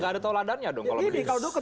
gak ada toladannya dong